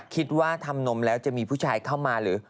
คิดว่าทำนมแล้วจะมีผู้ชายเข้ามาหรือ